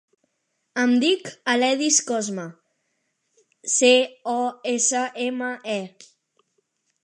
Em dic Aledis Cosme: ce, o, essa, ema, e.